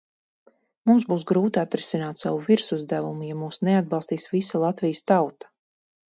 Mums būs grūti atrisināt savu virsuzdevumu, ja mūs neatbalstīs visa Latvijas tauta.